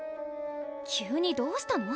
急にどうしたの？